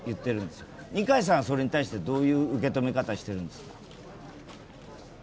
二階さんはそれに対してどういう受け止め方をしているんですか？